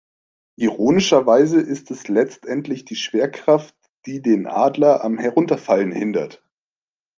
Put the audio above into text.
Ironischerweise ist es letztendlich die Schwerkraft, die den Adler am Herunterfallen hindert.